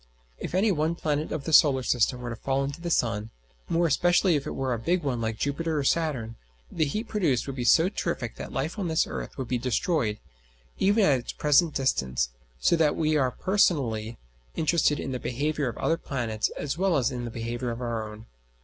If any one planet of the system were to fall into the sun, more especially if it were a big one like Jupiter or Saturn, the heat produced would be so terrific that life on this earth would be destroyed, even at its present distance; so that we are personally interested in the behaviour of the other planets as well as in the behaviour of our own.